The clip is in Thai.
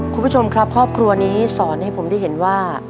คุณผู้ชมครับครอบครัวนี้สอนให้ผมได้เห็นว่า